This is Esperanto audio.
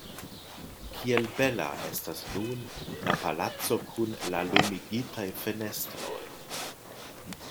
Kiel bela estas nun la palaco kun la lumigitaj fenestroj!